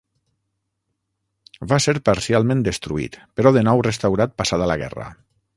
Va ser parcialment destruït però de nou restaurat passada la guerra.